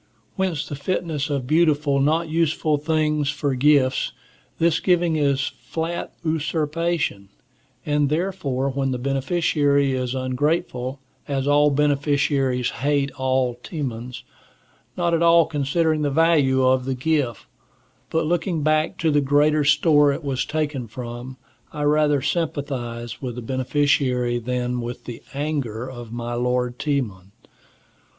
Hence the fitness of beautiful, not useful things for gifts. This giving is flat usurpation, and therefore when the beneficiary is ungrateful, as all beneficiaries hate all Timons, not at all considering the value of the gift, but looking back to the greater store it was taken from, I rather sympathize with the beneficiary than with the anger of my lord Timon.